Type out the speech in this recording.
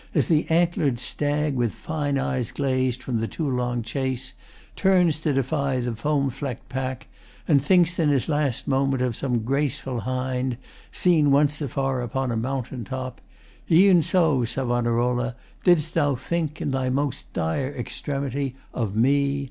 As the antler'd stag, With fine eyes glazed from the too long chase, Turns to defy the foam fleck'd pack, and thinks, In his last moment, of some graceful hind Seen once afar upon a mountain top, E'en so, Savonarola, didst thou think, In thy most dire extremity, of me.